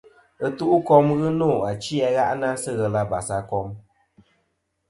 Ɨtu'kom ghɨ nô achi a gha'nɨ-a sɨ ghelɨ abas a kom.